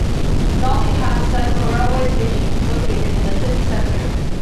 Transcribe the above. Nottingham's central railway station is located in the city centre.